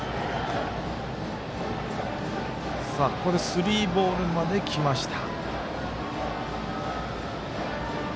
スリーボールまできました。